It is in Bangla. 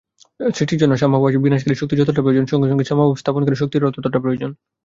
সৃষ্টির জন্য সাম্যভাব-বিনাশকারী শক্তির যতটা প্রয়োজন, সঙ্গে সঙ্গে সাম্যভাব-স্থাপনকারী শক্তিরও ততটা প্রয়োজন।